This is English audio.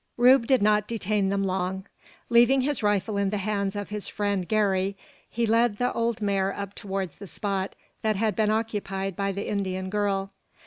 Rube did not detain them long. Leaving his rifle in the hands of his friend Garey, he led the old mare up towards the spot that had been occupied by the Indian girl.